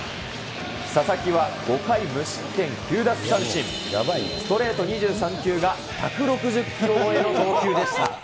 佐々木は５回無失点９奪三振、ストレート２３球が１６０キロ超えの投球でした。